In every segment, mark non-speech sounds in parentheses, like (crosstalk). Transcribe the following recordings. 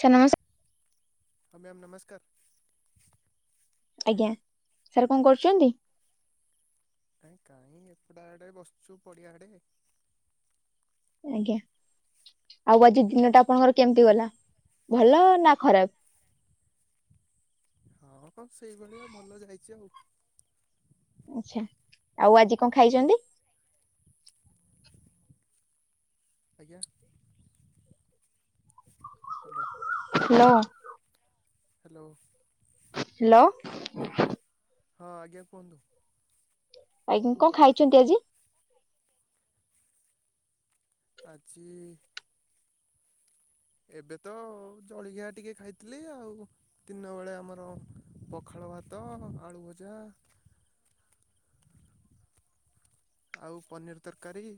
ସେ ନ (unintelligible) ହଁ ମ୍ୟାମ୍ ନମସ୍କାର। ଆଜ୍ଞା ସାର୍ କଣ କରୁଛନ୍ତି? ନାଇଁ କାହିଁ ଏପଟା ଆଡେ ବସିଛୁ ପଡିଆ ଆଡେ। ଆଜ୍ଞା ଆଉ ଆଜି ଦିନଟା ଆପଣଙ୍କର କେମିତି ଗଲା ଭଲ ନା ଖରାପ? ହଁ କଣ ସେଇଭଳିଆ ଭଲ ଯାଇଛି ଆଉ। ଆଛା ଆଉ ଆଜି କଣ ଖାଇଛନ୍ତି? ଆଜ୍ଞା ହ୍ୟାଲୋ। ହ୍ୟାଲୋ। ହ୍ୟାଲୋ। ହ୍ୟାଲୋ। ହଁ ଆଜ୍ଞା କୁହନ୍ତୁ? ଆଜ୍ଞା କଣ ଖାଇଛନ୍ତି ଆଜି? ଆଜି ଏବେ ତ ଜଳିଖିଆ ଟିକେ ଖାଇଥିଲି ଆଉ ଦିନ ବେଳେ ଆମର ପଖାଳ ଭାତ, ଆଳୁ ଭଜା ଆଉ ପନିର୍ ତରକାରୀ।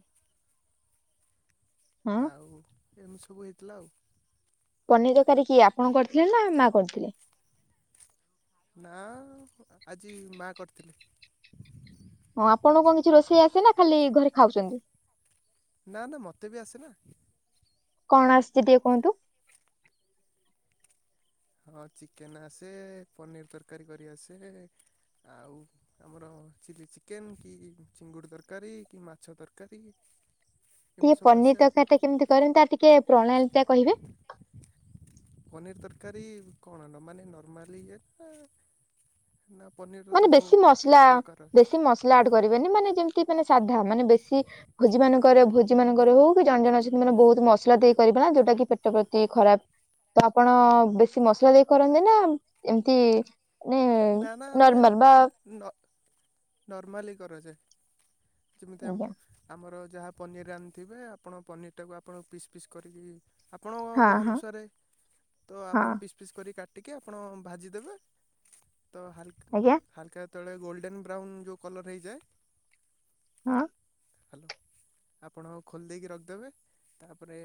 ହଁ ଆଉ ଏମିତି ସବୁ ହେଇଥିଲା ଆଉ। ପନିର ତରକାରୀ କିଏ ଆପଣ କରିଥିଲେ ନା, ମା କରିଥିଲେ? ନା, ଆଜି ମା କରିଥିଲେ। ହଁ, ଆପଣଙ୍କୁ କଣ କିଛି ରୋଷେଇ ଆସେ ନା ଖାଲି ଘରେ ଖାଉଛନ୍ତି? ନା, ନା ମତେ ବି ଆସେ ନା। କଣ ଆସିଛି ଟିକେ କୁହନ୍ତୁ? ହଁ ଚିକେନ୍ ଆସେ, ପନିର୍ ତରକାରୀ କରି ଆସେ, ଆଉ ଆମର ଚିଲି ଚିକେନ କି ଚିଙ୍ଗୁଡ଼ି ତରକାରୀ କି ମାଛ ତରକାରୀ। ଟିକେ ଏମିତି ସବୁ ପନିର ଆସେ ଆଉ ତରକାରୀ ଟା କେମିତି କରନ୍ତି ତାର ଟିକେ ପ୍ରଣାଳୀ ଟା କହିବେ? ପନିର ତରକାରୀ କଣ ମାନେ ନର୍ମାଲି ଇଏରେ ନା ନା ପନିର ମାନେ ବେଶୀ ମସଲା, ବେଶୀ ମସ ଲା ଆଡ଼ କରିବେନି ମାନେ ଯେମତି ମାନେ ସାଧା ମାନେ ବେଶୀ ଭୋଜି ମାନଙ୍କରେ ଭୋ ଜି ମାନଙ୍କରେ ହଉ କି ଜଣେ ଜଣେ ଅଛନ୍ତି ମାନେ ବହୁତ ମସଲା ଦେଇ କରି ନା ଯୋଉଟା କି ପେଟ ପ୍ରତି ଖରାପ। ତ ଆପଣ ବେଶୀ ମସଲା ଦେଇ କରନ୍ତି ନା ଏମିତି ନା ମାନେ ନା ଆମେ ନର୍ମାଲ ବା ନ ନର୍ମାଲି କରାଯାଏ। ଯେମିତି ଆଜ୍ଞା ଆମ ଆମର ଯାହା ପନିର ଆଣିଥିବେ ଆପଣ ପନିରଟାକୁ ଆପଣ ପିସ୍ ପିସ୍ କରିକି ହଁ ଆପଣଙ୍କ ହଁ ଅନୁସାରେ ତ ହଁ ଆପଣ ପିସ୍ ପିସ୍ କରି କାଟିକି ଆପଣ ଭାଜିଦେବେ, ତ ହାଲ ଆଜ୍ଞା ହାଲକା ଯେତେବେଳେ ଗୋଲଡେନ୍ ବ୍ରାଉନ୍ ଯୋଉ କଲର ହେଇଯାଏ ହଁ। ହ୍ୟାଲୋ, ଆପଣ ଖୋଲି ଦେଇକି ରଖିଦେବେ ତାପରେ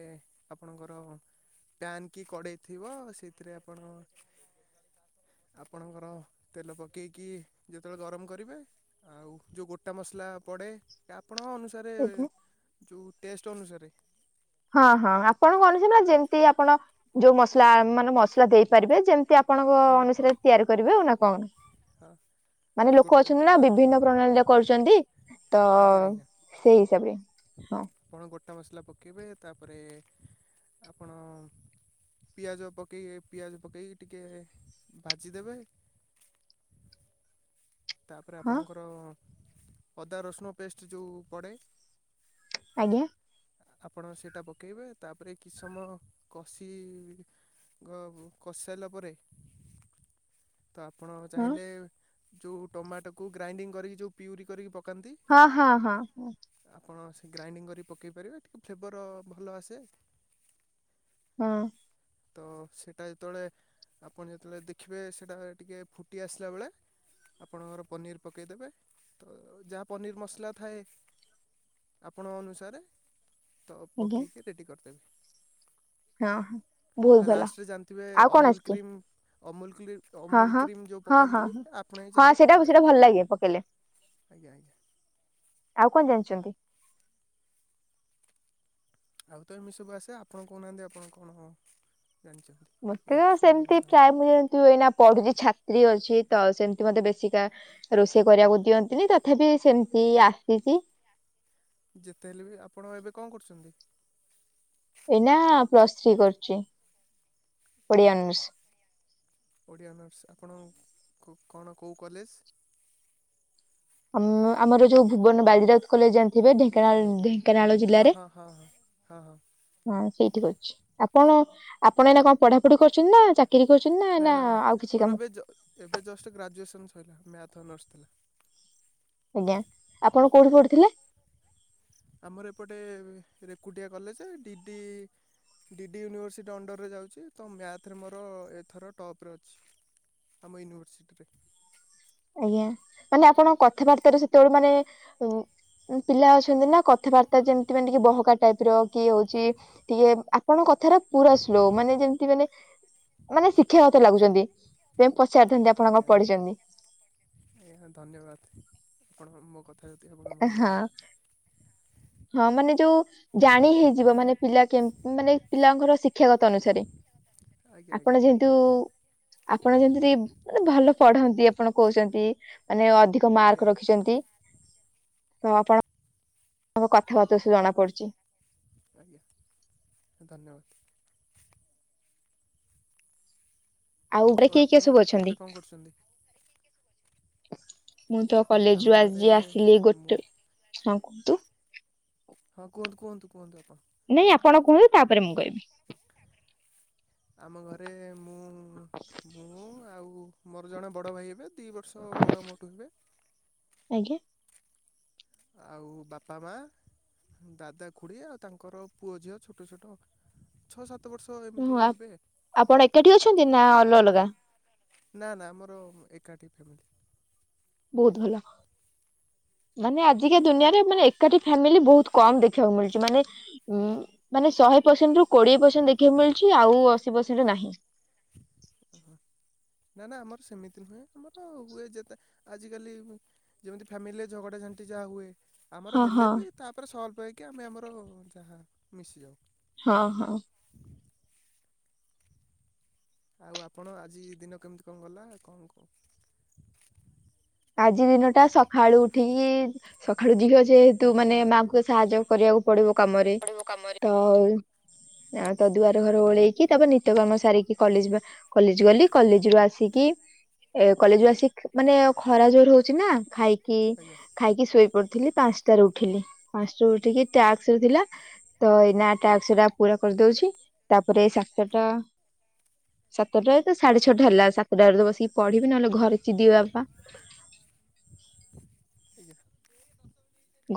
ଆପଣଙ୍କର ପ୍ୟାନ୍ କି କଡେଇ ଥିବ ସେଇଥିରେ ଆପଣ ଆପଣଙ୍କର ତେଲ ପକେଇକି ଯେତେବେଳେ ଗରମ କରିବେ। ଆଉ ଯୋଉ ଗୋଟା ମସଲା ପଡ଼େ ଆପଣଙ୍କ ଅନୁସାରେ ଆଜ୍ଞା ଯୋଉ ଟେଷ୍ଟ ଅନୁସାରେ। ହଁ, ହଁ ଆପଣଙ୍କ ଅନୁସାରେ ଯେମିତି ଆପଣ ଯୋଉ ମସଲା ମାନେ ମସଲା ଦେଇପାରିବେ, ଯେମିତି ଆ ଆପଣଙ୍କ ହଁ ଅନୁସାରେ ତିଆରି କରିବେ ଆଉ ନା କଣ? ହଁ ମାନେ ଲୋକ ଗୋଟା ଅଛନ୍ତି ନା ବିଭିନ୍ନ ପ୍ରଣାଳୀରେ କରୁଛନ୍ତି, ତ ଆଜ୍ଞା ଆଜ୍ଞା ସେଇ ହିସାବରେ। ହଁ ଆପଣ ଗୋଟା ମସଲା ପକେଇବେ, ତାପରେ ଆପଣ ପିଆଜ ପକେଇକି ପିଆଜ ପକେଇକି ଟିକେ ଭାଜିଦେବେ। ତାପରେ ହଁ ଆପଣଙ୍କର ଅଦା ରସୁଣ ପେଷ୍ଟ ଯଉ ପଡ଼େ ଆଜ୍ଞା। ଆପଣ ସେଇଟା ପକେଇବେ ତାପରେ କିଛି ସମୟ କଷି କଷି ସାଇଲା ପରେ ତ ଆପଣ ହଁ ଚାହିଁଲେ ଯୋଉ ଟମାଟୋକୁ ଗ୍ରାଇଣ୍ଡିଙ୍ଗ କରିକି ଯୋଉ ପିଉରି କରିକି ପକାନ୍ତି ହଁ, ହଁ, ହଁ। ଆପଣ ସେ ଗ୍ରାଇଣ୍ଡିଙ୍ଗ କରିକ ପକେଇ ପାରିବେ ଟିକେ ଫ୍ଲେବର ଭଲ ଆସେ। ହଁ। ତ ସେଇଟା ଯେତେବେଳେ ଆପଣ ଯେତେବେଳେ ଦେଖିବେ ସେଇଟା ଟିକେ ଫୁଟି ଆସିଲା ବେଳେ। ଆପଣଙ୍କର ପନିର ପକାଇଦେବେ ତ ଯାହା ପନିର ମସଲା ଥାଏ। ଆପଣ ଅନୁସାରେ ତ ଆଜ୍ଞା ପକେଇକି ରେଡ଼ି କରିଦେବେ। ହଁ ହଁ। ବହୁତ ଆଉ ଭଲ ଲାଷ୍ଟରେ ଜାଣିଥିବେ ଆଉ କଣ ଅମୁଲ ଆସିଛି କ୍ରିମ। ଅମୁଲ କ ହଁ ଅମୁଲ ହଁ। କ୍ରିମ୍ ଯୋଉ ହଁ ହଁ ପକାନ୍ତି ହଁ ଆପଣ ବି ହଁ ଚାହିଁଲେ ସେଇଟା ସେଇଟା ପକେଇପାରିବେ। ଭଲ ଲାଗେ ପକେଇଲେ ଆଜ୍ଞା ଆଜ୍ଞା। ଆଉ କଣ ଜାଣିଛନ୍ତି? ଆଉ ତ ଏମିତି ସବୁ ଆସେ ଆପଣ କହୁନାହାନ୍ତି ଆପଣ କଣ ଜାଣିଛନ୍ତି। ଟିକେ ମୋତେ ଶୁଣିଲେ ସେମିତି ଭଲ ଲାଗନ୍ତା ପ୍ରାୟ ମୁଁ ଯେମିତି ଏଇନା ପଢୁଛି ଛାତ୍ରୀ ଅଛି ତ ସେମିତି ମତେ ବେଶୀକା ରୋଷେଇ କରିବାକୁ ଦିଅନ୍ତିନି ତଥାପି ସେମିତି ଆସିଚି। ଯେତେ ହେଲେ ବି ଆପଣ ଏବେ କଣ କରୁଛନ୍ତି? ଏଇନା ପ୍ଲସ୍ ଥ୍ରୀ କରୁଛି ଓଡିଆ ଅନର୍ସ। ଓଡ଼ିଆ ଅନର୍ସ ଆପଣ କଣ କୋଉ କଲେଜ? ଆମ ଆମର ଯୋଉ ଭୁବନ ବାଜିରାଉତ କଲେଜ ଜାଣିଥିବେ ଢେଙ୍କାନଳ ଢେଙ୍କାନାଳ ହଁ ଜିଲ୍ଲାରେ। ହଁ ହଁ ହଁ ହଁ ହଁ ହଁ ସେଇଠି ରହିଚି ଆପଣ ଆପଣ ଏଇନା କଣ ପଢାପଢି କରୁଛନ୍ତି ନା ଚା ଚାକିରୀ କରୁଛନ୍ତି ନା ଏଇନା ମୋର ଆଉ କିଛି ମୋର କାମ ଏବେ ଏବେ ଜଷ୍ଟ ଗ୍ରାଜୁଏସନ୍ ସରିଲା ମ୍ୟାଥ୍ ଅନର୍ସ ଥିଲା। ଆଜ୍ଞା ଆପଣ କୋଉଠି ପଢୁଥିଲେ? ଆମର ଏପଟେ Rekutia college D D DD university ଅଣ୍ଡରରେ ଯାଉଛି ତ ମ୍ୟାଥରେ ମୋର ଏଥର ଟପ୍ ରେ ଅଛି। ଆମ ୟୁନିଭାର୍ସିଟି ରେ। ଆଜ୍ଞା ମାନେ ଆପଣ କଥାବାର୍ତ୍ତା ରୁ ସେତେବେଳେ ମାନେ ଉ ପିଲା ଅଛନ୍ତି ନା କଥାବାର୍ତ୍ତା ଯେମିତି ମାନେ କି ବହକା ଟାଇପ ର କି ହଉଛି। ଟିକେ ଆପଣଙ୍କ କଥା ଟା ପୁରା ସ୍ଲୋ ମାନେ ଯେମତି ମାନେ ମାନେ ଶିକ୍ଷା ଗତ ଲାଗୁଛନ୍ତି ଯେ ପଚାରିଥାନ୍ତି ଆପଣ ଆଜ୍ଞା କଣ ପଢିଛନ୍ତି। ଆଜ୍ଞା ଧନ୍ୟବାଦ ଆପଣ ମୋ କଥା ଯଦି ଆପଣଙ୍କୁ ଭଲ ହଁ ଲାଗିଛି। ହଁ ମାନେ ଯୋଉ। ଜାଣି ହେଇଯିବ ମାନେ ପିଲା କେ ମାନେ ପିଲାଙ୍କର ଶିକ୍ଷାଗତ ଅନୁସାରେ। ଆଜ୍ଞା ଆଜ୍ଞା ଆପଣ ଯେହେତୁ। ଆପଣ ଯେମିତି ମାନେ ଭଲ ପଢନ୍ତି ଆପଣ କହୁଛନ୍ତି ମାନେ ଅଧିକ ଆଜ୍ଞା ମାର୍କ ରଖିଛନ୍ତି ତ ଆପଣଙ୍କ କଥାବାର୍ତ୍ତା ସବୁ ଜଣା ପଡୁଛି। ଆଜ୍ଞା ଧନ୍ୟବାଦ। ଆଉ ଉପରେ କିଏ କିଏ ଆପଣ ସବୁ ଅଛନ୍ତି ଏବେ କଣ କରୁଛନ୍ତି? ମୁଁ ତ (inaudible) ଆମ ଆଜି ଘରେ ଆସିଲି ମୁଁ ଗୋଟେ ହଁ କୁହନ୍ତୁ କୁହନ୍ତୁ କୁହନ୍ତୁ ଆପଣ। ନାଇଁ ଆପଣ କୁହନ୍ତୁ ତାପରେ ମୁଁ କହିବି। ଆମ ଘରେ ମୁଁ ମୁଁ ଆଉ ମୋର ଜଣେ ବଡ଼ ଭାଇ ହେବେ ଦି ବର୍ଷ ବଡ଼ ମୋଠୁ ହେବେ। ଆଜ୍ଞା। ଆଉ ବାପା ମା ଦାଦା ଖୁଡ଼ି ଆଉ ତାଙ୍କର ପୁଅ ଝିଅ ଛୋଟ ଛୋଟ। ଛଅ ସାତ ବର୍ଷ ହଁ ଏମିତି ଆ ହେବେ। ଆପଣ ଏକାଠି ଅଛନ୍ତି ନା ଅଲ ଅଲଗା? ନା ନା ଆମର ଏକାଠି ଫ୍ୟାମିଲି। ବହୁତ ଭଲ। ମାନେ ଆଜିକା ଦୁନିଆରେ ମାନେ ଏକାଠି ଫ୍ୟାମିଲି ବହୁତ କମ ଦେଖିବାକୁ ମିଳୁଛି ମାନେ। ଉଁ ମାନେ ଶହେ ପରସେଣ୍ଟ ରୁ କୋଡିଏ ପରସେଣ୍ଟ ଦେଖିବାକୁ ମିଳୁଛି ଆଉ ଅଶୀ ପରସେଣ୍ଟ ନାହିଁ। ଅ ହଁ। ନା ନା ଆମର ସେମିତି ନୁହେଁ ଆମର ହୁଏ ଯେତେ ଆଜିକାଲି ଯେମିତି ଫ୍ୟାମିଲି ରେ ଝଗଡ଼ାଝାଣ୍ଟି ଯାହା ହୁଏ। ଆମର ହଁ ହଁ ହେଲେ ବି ତାପରେ ସ୍ଲଭ ହେଇକି ଆମେ ଆମର ଯାହା ମିଶିଯାଉ। ହଁ ହଁ। ଆଉ ଆପଣ ଆଜି ଦିନ କେମିତି କଣ ଗଲା କଣ କୁହ? ଆଜି ଦିନଟା ସକାଳୁ ଉଠିକି ସକାଳୁ, ଝିଅ ଯେହେତୁ ମାନେ ମାଙ୍କୁ ସାହାଯ୍ୟ କରିବାକୁ ପଡିବ କାମରେ ପଡ଼ିବ କାମରେ ତ ଆଉ ଆଉ ତ ଦୁଆର ଘର ଓଳେଇକି, ତାପରେ ନିତ୍ୟକର୍ମ ସାରିକି, କଲେଜ କଲେଜ ଗଲି। କଲେଜରୁ ଆସିକି ଏ କଲେଜରୁ ଆସିକି ମାନେ ଖରା ଜୋରରେ ହଉଛି ନା ଖାଇକି ଆଜ୍ଞା ଖାଇକି ଶୋଇ ପଡ଼ିଥିଲି ପାଞ୍ଚଟାରେ ଉଠିଲି। ପାଞ୍ଚଟାରେ ଉଠିକି ଟାକ୍ସରେ ଥିଲା ତ ଏଇନା ଟାକ୍ସରା ପୁରା କରିଦଉଛି। ତାପରେ ସାତଟା ସାତଟାରେ ତ ସାଢେ ଛଅଟା ହେଲା। ସାତଟାରୁ ତ ବସିକି ପଢିବି। ନହେଲେ ଘରେ ଚିଡ଼ିବେ ବାପା। ଆଜ୍ଞା।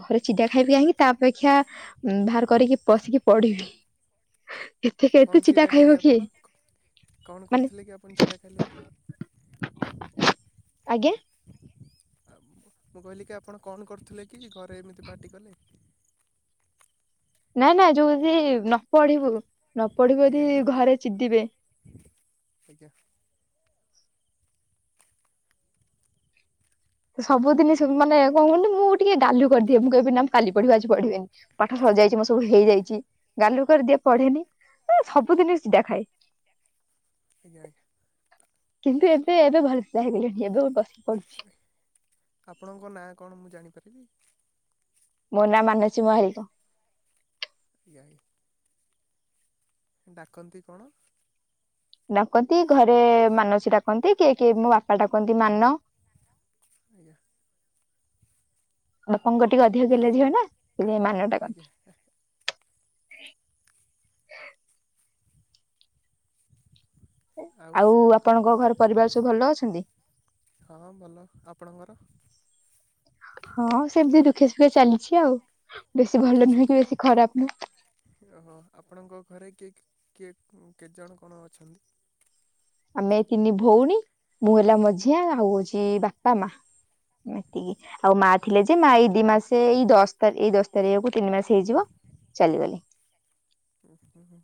ଘରେ ଚିଡ଼ା ଖାଇବି କାହିଁକି? ତା ଅପେକ୍ଷା ବାହାର କରିକି ବଶିକି ପଢିବି। ଏତେ କେତେ କଣ ଚିଡା ଖାଇବ ଖାଇଲେ କିଏ ଆପଣ? କଣ ମାନେ କରିଥିଲେ କି ଆପଣ ଚିଡ଼ା ଖାଇଲେ? ଆଜ୍ଞା? ଆ ମୁଁ କହିଲି କି, ଆପଣ କଣ କରୁଥିଲେ କି, ଘରେ ଏମିତି ପାଟି କଲେ? ନା ନା ଯୋଉ ଦି ନ ପଢିବୁ ନ ପଢିବୁ ଯଦି ଆଜ୍ଞା ଆଜ୍ଞା ଘରେ ଚିଡିବେ। ଆଜ୍ଞା। ସବୁିଦିନ ସେ ମାନେ କଣ କହିଲ ମୁଁ ଟିକେ ଗାଲୁ କରିଦିଏ। ମୁଁ କହିବି ନା ମୁଁ କାଲି ପଢିବି। ଆଜି ପଢିବିନି। ପାଠ ସରି ଯାଇଛି, ମୋ ସବୁ ହେଇଯାଇଛି। ଗାଲୁ କରିଦିଏ, ପଢ଼େନି। ସବୁ ଦିନ ଚିଡ଼ା ଖାଏ। ଆଜ୍ଞା ଆଜ୍ଞା। କିନ୍ତୁ ଏବେ ଏବେ ଭଲ ପିଲା ହେଇଗଲିଣି। ଏବେମୁଁ ବସିିକି ପଢୁଛି। ଆପଣଙ୍କ ନାଁ କଣ ମୁଁ ଜାଣିପାରିବି? ମୋ ନାଁ ମାନସୀ ମହାଳୀକ। ଆଜ୍ଞା ଆଜ୍ଞା। ଡାକନ୍ତି କଣ? ଡାକନ୍ତି। ଘରେ ମାନସୀ ଡାକନ୍ତି। କିଏ କିଏ ମୋ ବାପା ଡାକନ୍ତି ମାନ। ଆଜ୍ଞା। ବାପାଙ୍କ ଟିକେ ଅଧିକ ଗେହ୍ଲା ଝିଅ ନା। ସେଥି ପାଇଁ ମାନ ଆଜ୍ଞା ଡାକନ୍ତି। ଆଉ ଆପଣଙ୍କ ଘରେ ପରିବାର ସବୁ ଭଲ ଅଛନ୍ତି? ହଁ ଭଲ। ଆପଣଙ୍କର? ହଁ ସେମିତି ଦୁଃଖେ ସୁୁଖେ ଚାଲିଛି ଆଉ। ବେଶୀ ଭଲ ନୁହେଁ କି ବେଶୀ ଖରାପ ନୁହେଁ। ଓହ ଆପଣଙ୍କ ଘରେ କିଏ କି-କିଏ କେତେଜଣ କଣ ଅଛନ୍ତି? ଆମେ ତିନି ଭଉଣୀ ମୁଁ ହେଲା ମଝିଆ ଆଉ ହଉଛି ବାପା ମା। ଏତିକି। ଆଉ ମା ଥିଲେ ଯେ, ମା ଏଇ ଦି ମାସ ଏଇ ଦଶ ତାରିଖ ଏଇ ଦଶ ତାରିଖକୁ ତିନି ମାସ ହେଇଯିବ ଚାଲିଗଲେ। ହୁଁ ହୁଁ ହୁ।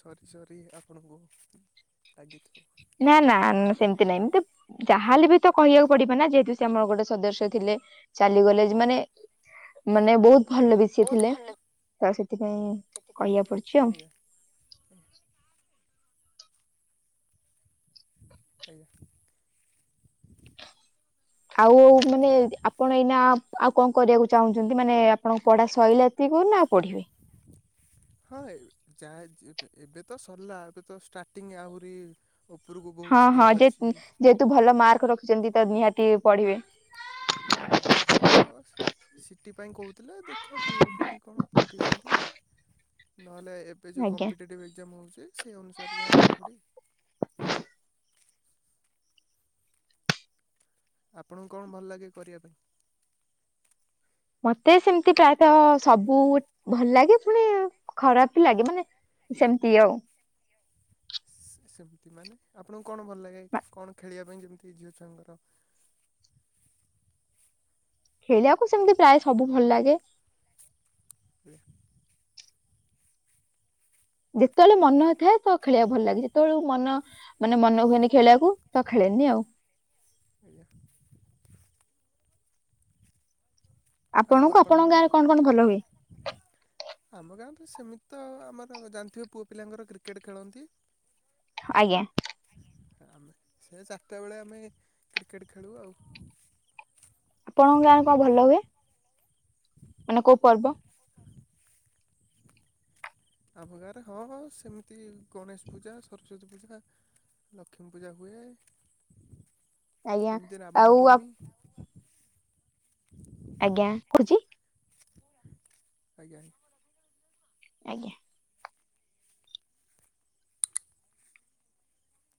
ସରି ସରି। ଆପଣଙ୍କୁ ରାଗିଥିବ। ନା ନା ସେମତି ନାଇଁ ମୁଁ ଟିକ ଯାହାହେଲେବି ତ କହିବାକୁ ପଡିବ ନା। ଯେହେତୁ, ସେ ଆମର ଗୋଟେ ସଦସ୍ୟ ଥିଲେ, ଚାଲିଗଲେ। ମାନେ ମାନେ ବହୁତ ଭଲ ବି ସିଏ ବହୁତ ଥିଲେ। ଭଲ ତ ସେଥିପାଇଁ ସେଥିପାଇଁ ଆଜ୍ଞା କହିବାକୁ ପଡୁଛି ଆଉ। ଆଜ୍ଞା ଆଜ୍ଞା। ଆଉ ମାନେ ଆପଣ ଏଇନା ଆ ଆଉ କଣ କରିବାକୁ ଚାହୁଁଛନ୍ତି? ମାନେ ଆପଣ ପଢା ସଇଲେ କି କହିଲ (inaudible) ନାଁ ପଢିବେ। ହଁ ଯାହା ଯେ-ଏବେ ଏବେ ତ ସରିଲା ଏବେ ତ ଷ୍ଟାର୍ଟିଂ ଆହୁରି ଉପରକୁ ବହୁତ ଯିବାର ଅଛି। ତୁ ଭଲ ମାର୍କ ରଖିଛନ୍ତି ତ ନିହାତି ପଢ଼ିବେ। ହଁ। ତ ସିଟି ପାଇଁ କହୁଥିଲେ। ଦେଖିବା ବିଇଡି ଫିଇଡି କଣ ପକେଇଛନ୍ତି ନହେଲେ ଏବେ ଯେଉଁ ଆଜ୍ଞା। କମ୍ପିଟେଟି ଏକ୍ଜାମ୍ ହେଉଚି ସେଅନୁସାରେ ଯାହା ପଢ଼ାପଢ଼ି। ଆପଣଙ୍କୁ କଣ ଭଲ ଲାଗେ କରିବା ପାଇଁ? ମତେ ସେମିତି ପ୍ରାୟତଃ ହଁ ସବୁ ଭଲ ଲାଗେ ପୁଣି ଖରାପବି ଲାଗେ ମାନେ ସେମିତି ଆଉ ସେ ସେମିତି ମାନେ ଆପଣଙ୍କୁ କଣ ଭଲ ଲାଗେ କଣ ଖେଳିବା ପାଇଁ ଯେମିତି ଝିଅ ଛୁଆଙ୍କର ଖେଳିବାକୁ ସେମିତି ପ୍ରାୟ ସବୁ ଭଲ ଲାଗେ। (inaudible) ଯେତେବେଳେ ମନ ଥାଏ ତ ଖେଳିବାକୁ ଭଲ ଲାଗେ ଯେତେବେଳକୁ ମନ ମାନେ ମନ ହୁଏନି ଖେଳିବାକୁ ତ ଖେଳେନି ଆଉ। ଆଜ୍ଞା। ଆଉ ଆପଣଙ୍କୁ ଆପଣଙ୍କ ଆପଣଙ୍କର ଗାଁରେ କଣ କଣ ଭଲ ହୁଏ? ଆମ ଗାଁରେ ସେମିତିତ ଆମର ଜାଣିଥିବେ ପୁଅ ପିଲାଙ୍କର କ୍ରିକେଟ୍ ଖେଳନ୍ତି। ଆଜ୍ଞା। ଆଜ୍ଞା ଆମେ ସେ ଚାରିଟା ବେଳେ ଆମେ କ୍ରିକେଟ୍ ଖେଳୁ ଆଉ। ଆପଣଙ୍କ ଗାଁରେ କଣ ଭଲ ହୁଏ ମାନେ କୋଉ ପର୍ବ? (inaudible) ଆମ ଗାଁରେ ହଁ ହଁ ସେମିତି ଗଣେଶ ପୂଜା ସରସ୍ଵତୀ ପୂଜା ଲକ୍ଷ୍ମୀ ପୂଜା ହୁଏ ଆଜ୍ଞା ଏମିତି ରାମ ଆଉ ନବମୀ (inaudible) ଆଜ୍ଞା କହୁଚି। ଆଜ୍ଞା। ଆଜ୍ଞା।